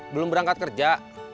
belum berangkat kerja